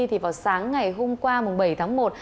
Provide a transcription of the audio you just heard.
thì vào sáng ngày hôm qua bảy tháng một